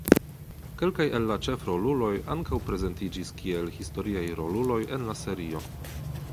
Kelkaj el la ĉefroluloj ankaŭ prezentiĝis kiel historiaj roluloj en la serio.